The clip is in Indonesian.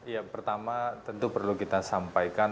ya pertama tentu perlu kita sampaikan